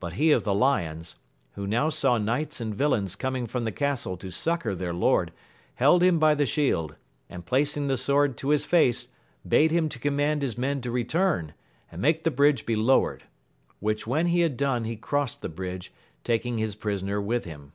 But he of the lions, who now saw knights and villains coming from the castle to succour their lord, held him by the shield, and placing the sword to his face, bade him to command his men to return, and make the bridge be lowered: which when he had doue he crossed the bridge, taking his prisoner with him.